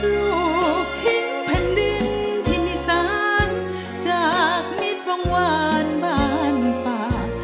ลูกทิ้งพันธุ์ดึงที่มีสารจากมิตรวงวานบ้านป่า